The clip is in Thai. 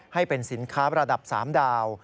ให้เป็นสินค้าระดับ๓ดาว